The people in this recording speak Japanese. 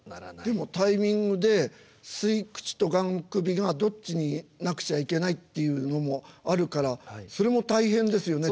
でもタイミングで吸い口とがん首がどっちになくちゃいけないっていうのもあるからそれも大変ですよね